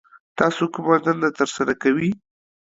تاسو کومه دنده ترسره کوي